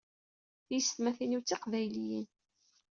Tiyestmatin-iw d tiqbayliyin.